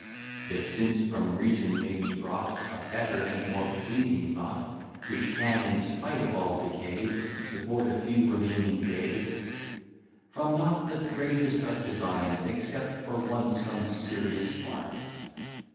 Yet, since from reason may be brought A better and more pleasing thought, Which can, in spite of all decays, Support a few remaining days; From not the gravest of divines Accept for once some serious lines.